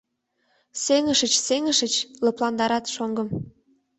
— Сеҥышыч, сеҥышыч... — лыпландарат шоҥгым.